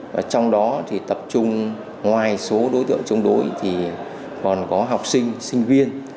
và trong đó thì tập trung ngoài số đối tượng chống đối thì còn có học sinh sinh viên